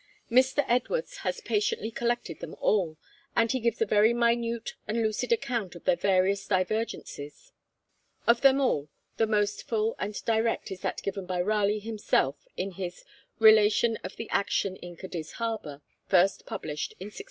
Mr. Edwards has patiently collected them all, and he gives a very minute and lucid account of their various divergencies. Of them all the most full and direct is that given by Raleigh himself, in his Relation of the Action in Cadiz Harbour, first published in 1699.